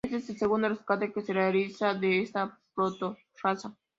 Este es el segundo rescate que se realiza de esta proto-raza.